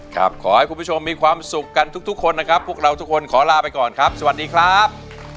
ขอให้คุณผู้ชมมีความสุขกันทุกคนนะครับพวกเราทุกคนขอลาไปก่อนครับสวัสดีครับ